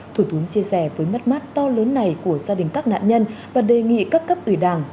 thủ tướng chia sẻ với mất mát to lớn này của gia đình các nạn nhân và đề nghị các cấp ủy đảng